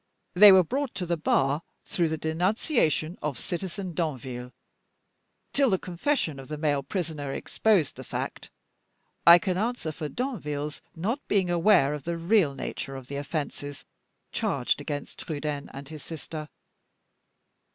They were brought to the bar through the denunciation of Citizen Danville. Till the confession of the male prisoner exposed the fact, I can answer for Danville's not being aware of the real nature of the offenses charged against Trudaine and his sister.